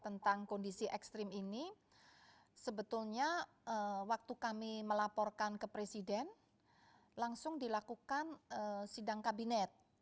tentang kondisi ekstrim ini sebetulnya waktu kami melaporkan ke presiden langsung dilakukan sidang kabinet